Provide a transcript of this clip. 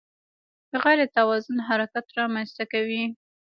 غیر توازن حرکت رامنځته کوي.